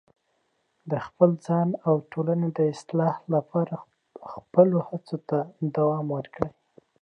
د خپل ځان او ټولنې د اصلاح لپاره خپلو هڅو ته دوام ورکړئ.